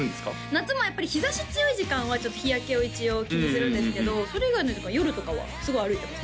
夏もやっぱり日差し強い時間はちょっと日焼けを一応気にするんですけどそれ以外の時間夜とかはすごい歩いてます